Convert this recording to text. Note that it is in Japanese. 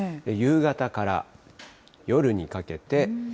夕方から、夜にかけて。